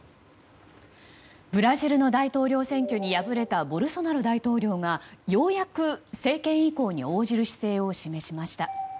ブラジルの大統領選挙に敗れた、ボルソナロ大統領がようやく政権移行に応じる姿勢を示しました。